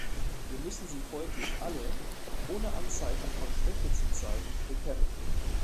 Wir müssen sie folglich alle, ohne Anzeichen von Schwäche zu zeigen, bekämpfen.